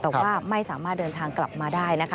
แต่ว่าไม่สามารถเดินทางกลับมาได้นะคะ